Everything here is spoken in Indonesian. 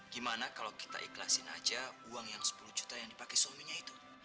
gimana kalau kita ikhlasin aja uang yang sepuluh juta yang dipakai suaminya itu